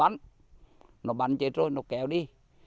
nó bắn chạy trôi nó kéo đi